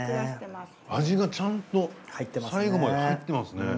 味がちゃんと最後まで入ってますね。